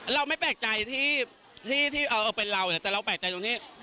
เราไม่แปลกใจที่เป็นเราแต่เราแปลกใจตรงที่